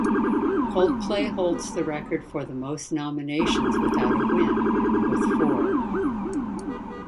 Coldplay holds the record for the most nominations without a win, with four.